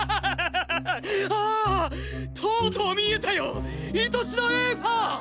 ああとうとう見えたよいとしのエーファ！